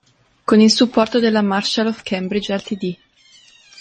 Con il supporto della Marshall of Cambridge Ltd.